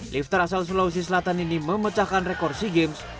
lifter asal sulawesi selatan ini memecahkan rekor sea games